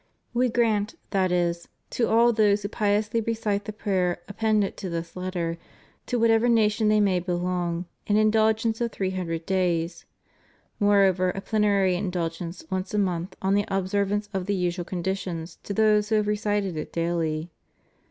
We grant, that is, to all those who piously recite the prayer appended to this letter, to whatever nation they may belong, an indulgence of three hundred days; moreover, a plenary indulgence once a month on the observance of the usual conditions to those who have recited it daily.